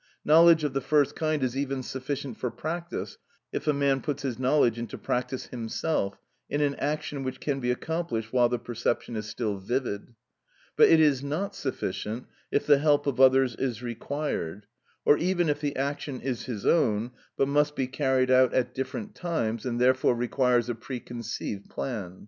Knowledge of the first kind is even sufficient for practice, if a man puts his knowledge into practice himself, in an action which can be accomplished while the perception is still vivid; but it is not sufficient if the help of others is required, or even if the action is his own but must be carried out at different times, and therefore requires a pre conceived plan.